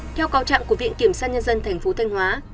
theo cao trạng của viện kiểm soát nhân dân tp thanh hóa